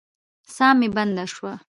ساه مي بنده سوه.